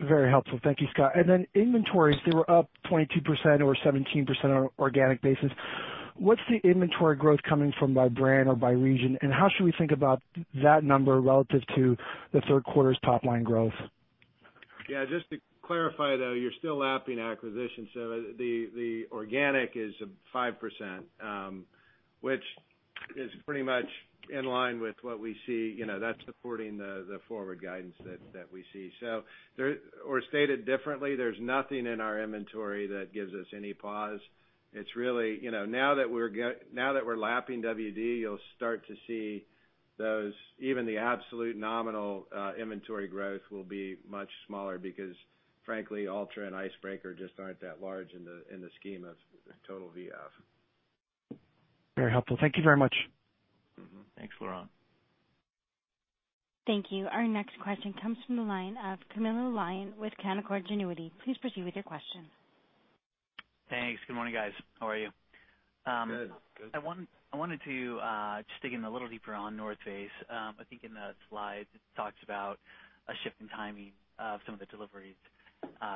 Very helpful. Thank you, Scott. Then inventories, they were up 22% or 17% on an organic basis. What's the inventory growth coming from by brand or by region, and how should we think about that number relative to the third quarter's top-line growth? Yeah, just to clarify, though, you're still lapping acquisitions. The organic is 5%, which is pretty much in line with what we see. That's supporting the forward guidance that we see. Stated differently, there's nothing in our inventory that gives us any pause. Now that we're lapping WD, you'll start to see those, even the absolute nominal inventory growth will be much smaller because frankly, Altra and Icebreaker just aren't that large in the scheme of total VF. Very helpful. Thank you very much. Mm-hmm. Thanks, Laurent. Thank you. Our next question comes from the line of Camilo Lyon with Canaccord Genuity. Please proceed with your question. Thanks. Good morning, guys. How are you? Good. I wanted to just dig in a little deeper on The North Face. I think in the slides, it talks about a shift in timing of some of the deliveries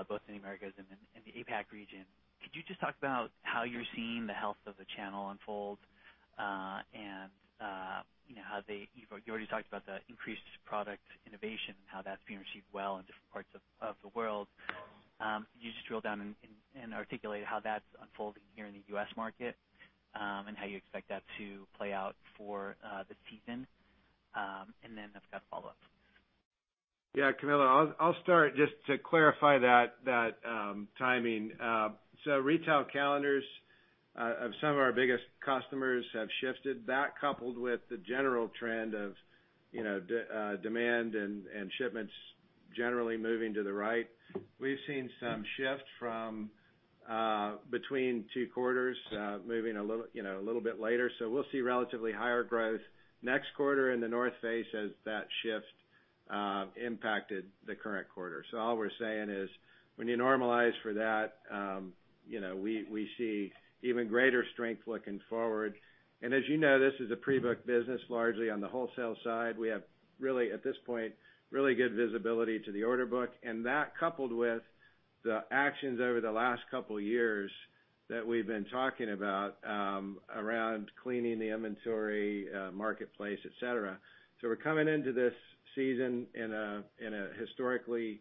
both in the Americas and in the APAC region. Could you just talk about how you're seeing the health of the channel unfold? You already talked about the increased product innovation and how that's being received well in different parts of the world. Can you just drill down and articulate how that's unfolding here in the U.S. market, and how you expect that to play out for the season? Then I've got a follow-up. Yeah. Camilo, I'll start just to clarify that timing. Retail calendars of some of our biggest customers have shifted. That coupled with the general trend of demand and shipments generally moving to the right. We've seen some shift from between two quarters, moving a little bit later. We'll see relatively higher growth next quarter in The North Face as that shift impacted the current quarter. All we're saying is when you normalize for that, we see even greater strength looking forward. As you know, this is a pre-book business largely on the wholesale side. We have, really at this point, really good visibility to the order book, and that coupled with the actions over the last couple of years that we've been talking about around cleaning the inventory, marketplace, et cetera. We're coming into this season in a historically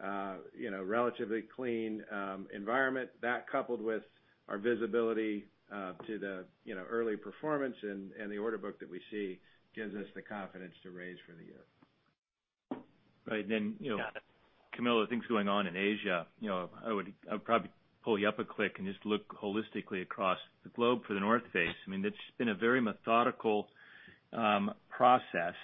relatively clean environment. That coupled with our visibility to the early performance and the order book that we see gives us the confidence to raise for the year. Right. Camilo, things going on in Asia. I would probably pull you up a click and just look holistically across the globe for The North Face. It's been a very methodical process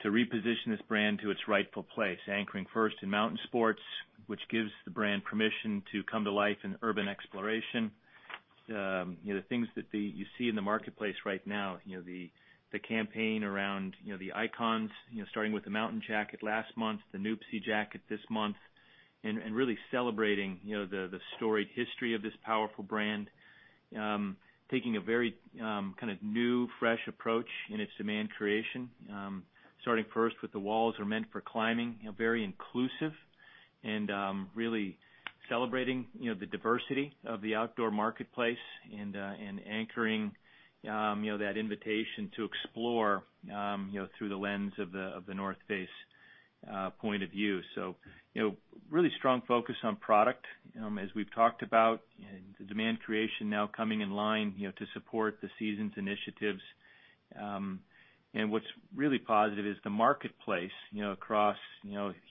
to reposition this brand to its rightful place, anchoring first in mountain sports, which gives the brand permission to come to life in urban exploration. The things that you see in the marketplace right now, the campaign around the icons, starting with the Mountain Jacket last month, the Nuptse jacket this month, really celebrating the storied history of this powerful brand. Taking a very kind of new, fresh approach in its demand creation. Starting first with the walls are meant for climbing, very inclusive, and really celebrating the diversity of the outdoor marketplace and anchoring that invitation to explore through the lens of The North Face point of view. Really strong focus on product as we've talked about, and the demand creation now coming in line to support the season's initiatives. What's really positive is the marketplace across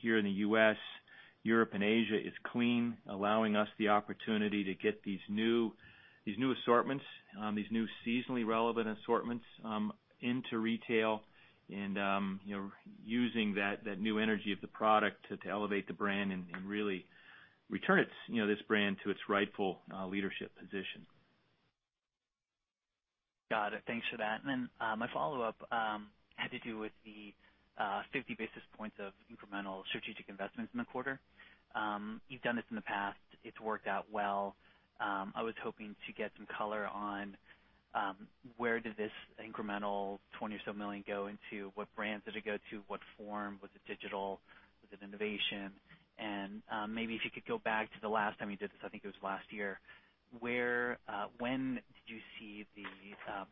here in the U.S., Europe, and Asia is clean, allowing us the opportunity to get these new assortments, these new seasonally relevant assortments into retail and using that new energy of the product to elevate the brand and really return this brand to its rightful leadership position. Got it. Thanks for that. My follow-up had to do with the 50 basis points of incremental strategic investments in the quarter. You've done this in the past. It's worked out well. I was hoping to get some color on where did this incremental $20 million or so go into, what brands did it go to, what form, was it digital? Was it innovation? Maybe if you could go back to the last time you did this, I think it was last year, when did you see the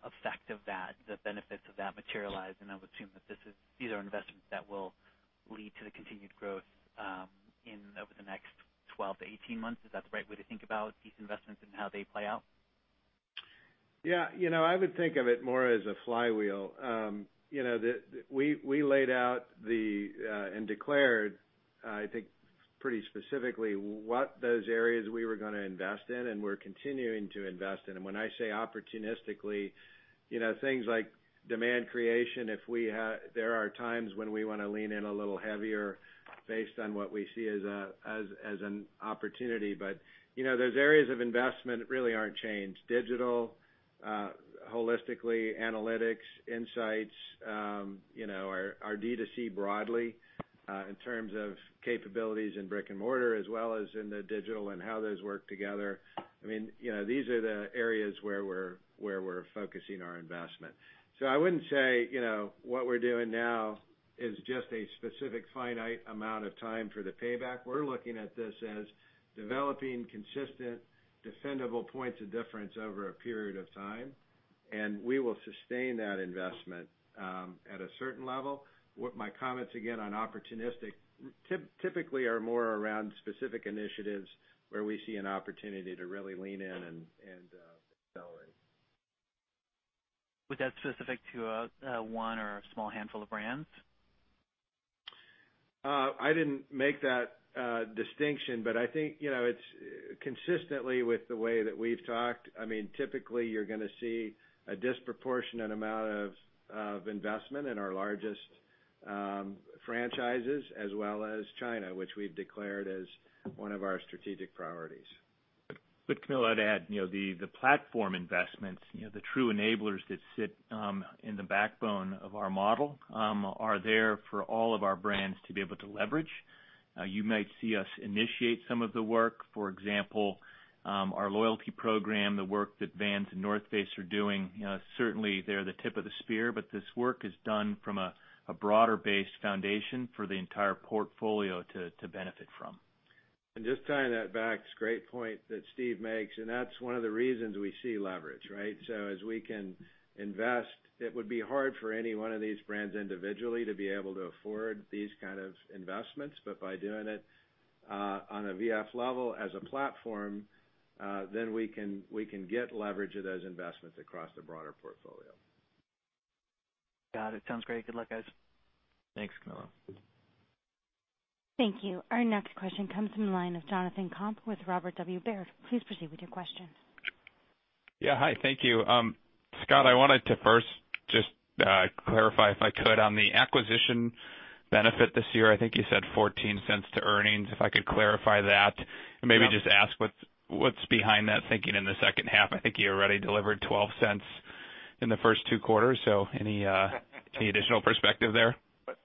effect of that, the benefits of that materialize? I would assume that these are investments that will lead to the continued growth over the next 12-18 months. Is that the right way to think about these investments and how they play out? Yeah. I would think of it more as a flywheel. We laid out and declared, I think pretty specifically, what those areas we were going to invest in and we're continuing to invest in. When I say opportunistically, things like demand creation. There are times when we want to lean in a little heavier based on what we see as an opportunity. Those areas of investment really aren't changed. Digital, holistically, analytics, insights, our D2C broadly in terms of capabilities in brick and mortar as well as in the digital and how those work together. These are the areas where we're focusing our investment. I wouldn't say what we're doing now is just a specific finite amount of time for the payback. We're looking at this as developing consistent, defendable points of difference over a period of time, and we will sustain that investment at a certain level. What my comments, again, on opportunistic, typically are more around specific initiatives where we see an opportunity to really lean in and accelerate. Was that specific to one or a small handful of brands? I didn't make that distinction. I think it's consistently with the way that we've talked. Typically, you're going to see a disproportionate amount of investment in our largest franchises as well as China, which we've declared as one of our strategic priorities. Camilo, I'd add, the platform investments, the true enablers that sit in the backbone of our model are there for all of our brands to be able to leverage. You might see us initiate some of the work. For example, our loyalty program, the work that Vans and The North Face are doing. Certainly, they're the tip of the spear, but this work is done from a broader base foundation for the entire portfolio to benefit from. Just tying that back, it's a great point that Steve makes, and that's one of the reasons we see leverage, right? As we can invest, it would be hard for any one of these brands individually to be able to afford these kind of investments, but by doing it on a V.F. level as a platform, then we can get leverage of those investments across the broader portfolio. Got it. Sounds great. Good luck, guys. Thanks, Camilo. Thank you. Our next question comes from the line of Jonathan Komp with Robert W. Baird. Please proceed with your question. Yeah. Hi. Thank you. Scott, I wanted to first just clarify, if I could, on the acquisition benefit this year. I think you said $0.14 to earnings. If I could clarify that and maybe just ask what's behind that thinking in the second half. I think you already delivered $0.12 in the first two quarters, so any additional perspective there?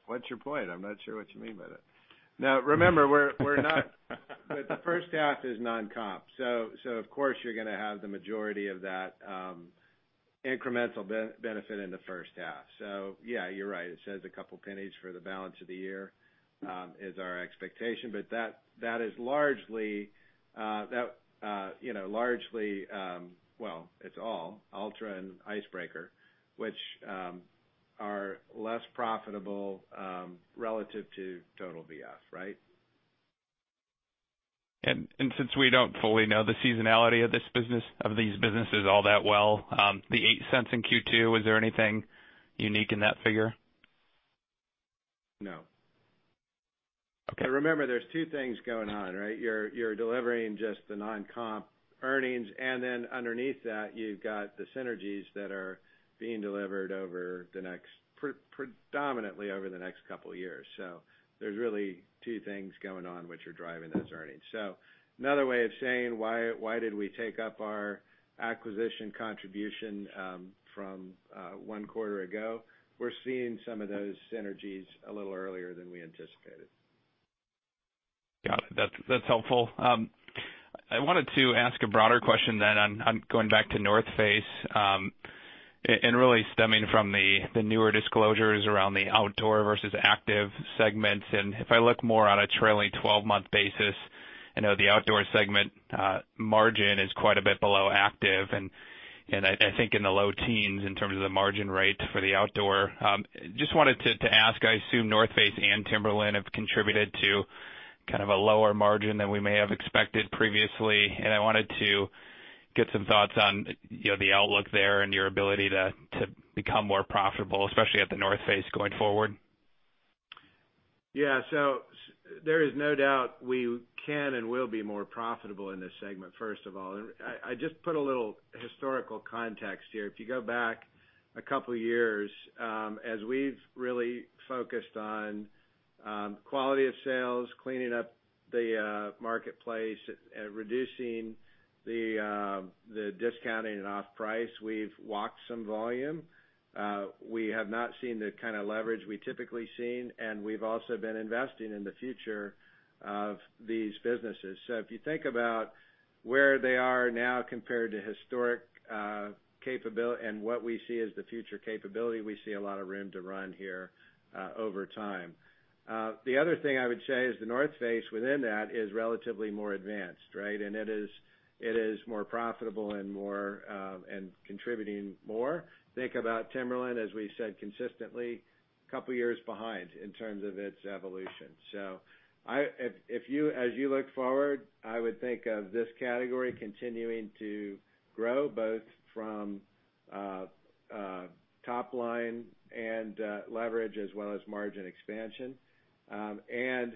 What's your point? I'm not sure what you mean by that. Remember the first half is non-comp, so of course, you're going to have the majority of that incremental benefit in the first half. Yeah, you're right. It says a couple pennies for the balance of the year is our expectation, but that is largely, well, it's all Altra and Icebreaker, which are less profitable relative to total V.F., right? Since we don't fully know the seasonality of these businesses all that well, the $0.08 in Q2, is there anything unique in that figure? No. Okay. Remember, there's two things going on, right? You're delivering just the non-comp earnings, and then underneath that, you've got the synergies that are being delivered predominantly over the next couple of years. There's really two things going on which are driving those earnings. Another way of saying why did we take up our acquisition contribution from one quarter ago, we're seeing some of those synergies a little earlier than we anticipated. Got it. That's helpful. I wanted to ask a broader question then on going back to The North Face, and really stemming from the newer disclosures around the outdoor versus active segments. If I look more on a trailing 12-month basis, I know the outdoor segment margin is quite a bit below active, and I think in the low teens in terms of the margin rate for the outdoor. Just wanted to ask, I assume The North Face and Timberland have contributed to a lower margin than we may have expected previously, and I wanted to get some thoughts on the outlook there and your ability to become more profitable, especially at The North Face going forward. Yeah. There is no doubt we can and will be more profitable in this segment, first of all. I just put a little historical context here. If you go back a couple of years, as we've really focused on quality of sales, cleaning up the marketplace, reducing the discounting and off price, we've walked some volume. We have not seen the kind of leverage we typically seen, and we've also been investing in the future of these businesses. If you think about where they are now compared to historic capability and what we see as the future capability, we see a lot of room to run here over time. The other thing I would say is The North Face within that is relatively more advanced. It is more profitable and contributing more. Think about Timberland, as we said, consistently a couple of years behind in terms of its evolution. As you look forward, I would think of this category continuing to grow both from top line and leverage as well as margin expansion.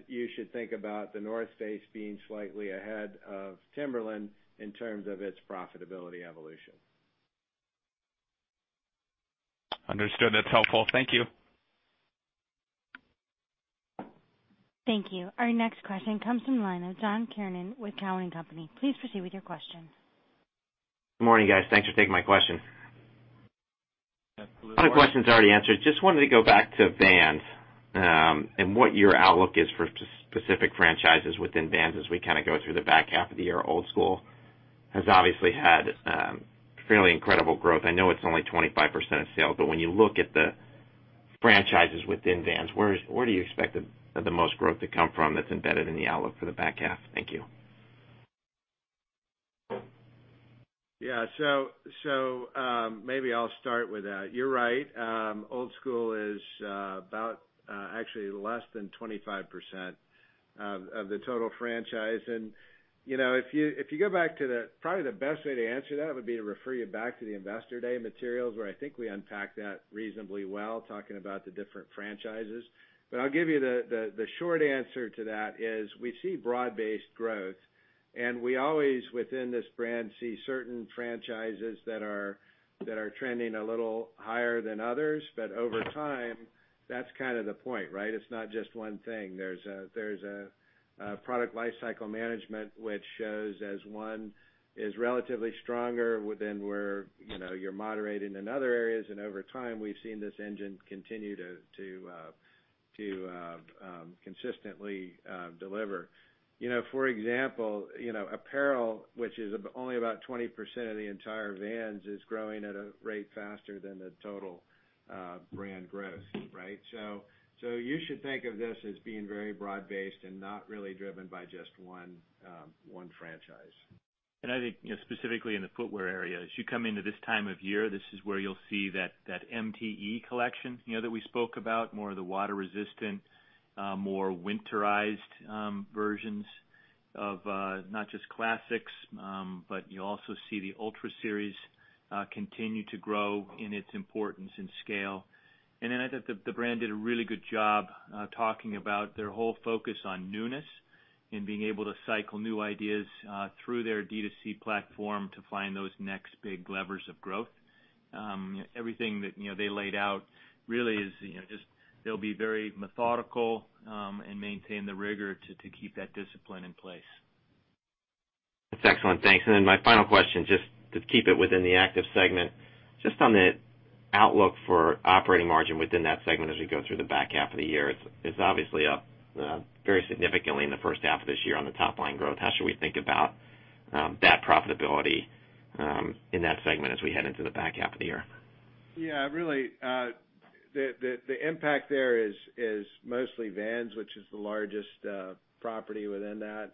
You should think about The North Face being slightly ahead of Timberland in terms of its profitability evolution. Understood. That's helpful. Thank you. Thank you. Our next question comes from the line of John Kernan with Cowen and Company. Please proceed with your question. Good morning, guys. Thanks for taking my question. A lot of questions already answered. Just wanted to go back to Vans, and what your outlook is for specific franchises within Vans as we go through the back half of the year. Old Skool has obviously had fairly incredible growth. I know it's only 25% of sales, but when you look at the franchises within Vans, where do you expect the most growth to come from that's embedded in the outlook for the back half? Thank you. Yeah. Maybe I'll start with that. You're right. Old Skool is about actually less than 25% of the total franchise. Probably the best way to answer that would be to refer you back to the Investor Day materials, where I think we unpacked that reasonably well, talking about the different franchises. I'll give you the short answer to that is we see broad-based growth, and we always within this brand, see certain franchises that are trending a little higher than others. Over time, that's kind of the point. It's not just one thing. There's a product life cycle management, which shows as one is relatively stronger than where you're moderating in other areas. Over time, we've seen this engine continue to consistently deliver. For example, apparel, which is only about 20% of the entire Vans, is growing at a rate faster than the total brand growth. You should think of this as being very broad-based and not really driven by just one franchise. I think specifically in the footwear area, as you come into this time of year, this is where you'll see that MTE collection that we spoke about, more of the water-resistant, more winterized versions of not just classics. You'll also see the UltraRange continue to grow in its importance and scale. I thought the brand did a really good job talking about their whole focus on newness and being able to cycle new ideas through their D2C platform to find those next big levers of growth. Everything that they laid out really is just, they'll be very methodical and maintain the rigor to keep that discipline in place. That's excellent. Thanks. My final question, just to keep it within the active segment, just on the outlook for operating margin within that segment as we go through the back half of the year. It's obviously up very significantly in the first half of this year on the top line growth. How should we think about that profitability in that segment as we head into the back half of the year? Really, the impact there is mostly Vans, which is the largest property within that.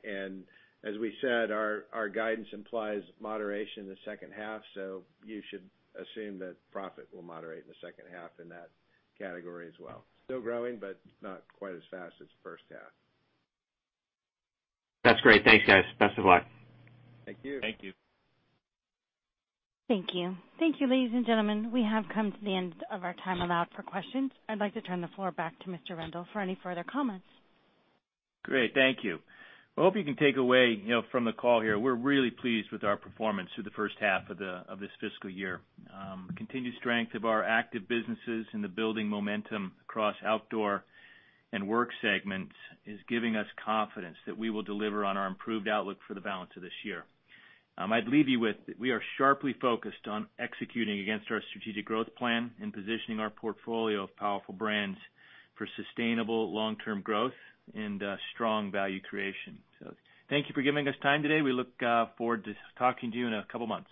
As we said, our guidance implies moderation in the second half. You should assume that profit will moderate in the second half in that category as well. Still growing, but not quite as fast as first half. That's great. Thanks, guys. Best of luck. Thank you. Thank you. Thank you. Thank you, ladies and gentlemen. We have come to the end of our time allowed for questions. I'd like to turn the floor back to Mr. Rendle for any further comments. Great. Thank you. I hope you can take away from the call here, we're really pleased with our performance through the first half of this fiscal year. Continued strength of our active businesses and the building momentum across outdoor and work segments is giving us confidence that we will deliver on our improved outlook for the balance of this year. I'd leave you with, we are sharply focused on executing against our strategic growth plan and positioning our portfolio of powerful brands for sustainable long-term growth and strong value creation. Thank you for giving us time today. We look forward to talking to you in a couple of months.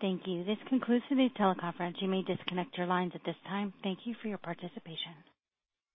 Thank you. This concludes today's teleconference. You may disconnect your lines at this time. Thank you for your participation.